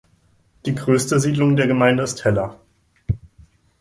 Die größte Siedlung der Gemeinde ist Hella.